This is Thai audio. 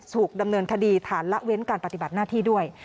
ถูกดำเนินคดีฐานละเว้นการปฏิบัติหน้าที่ด้วย